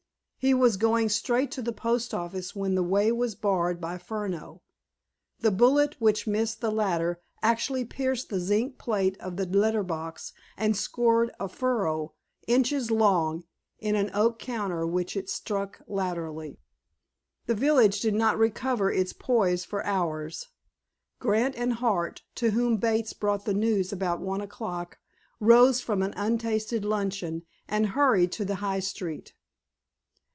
He was going straight to the post office when the way was barred by Furneaux. The bullet which missed the latter actually pierced the zinc plate of the letter box, and scored a furrow, inches long, in an oak counter which it struck laterally. The village did not recover its poise for hours. Grant and Hart, to whom Bates brought the news about one o'clock, rose from an untasted luncheon and hurried to the high street.